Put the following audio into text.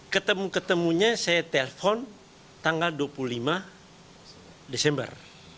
ketemu ketemunya saya telpon tanggal dua puluh lima desember